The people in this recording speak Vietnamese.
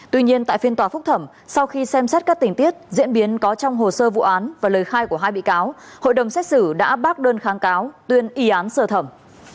tuy nhiên tại phiên tòa phúc thẩm sau khi xem xét các tình tiết diễn biến có trong hồ sơ vụ án và lời khai của hai bị cáo hội đồng xét xử đã bác đơn kháng cáo tuyên y án sơ thẩm